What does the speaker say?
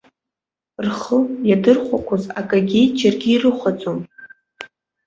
Рхы иадырхәақзоз акагьы џьаргьы ирыхәаӡом.